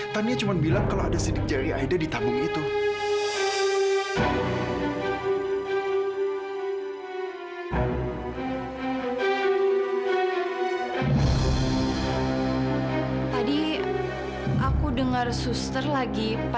saya tidak pernah kalah dalam kasus saya